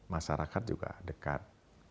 masyarakat juga dekat